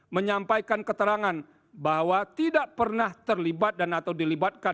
menyampaikan keterangan bahwa tidak pernah terlibat dan atau dilibatkan